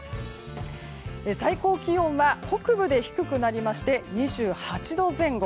最高気温は北部で低くなりまして２８度前後。